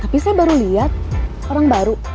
tapi saya baru lihat orang baru